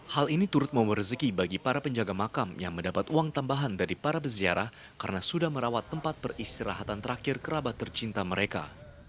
hal ini turut memberi rezeki bagi para penjaga makam yang mendapat uang tambahan dari para berziarah karena sudah merawat tempat peristirahatan terakhir kerabat tercinta mereka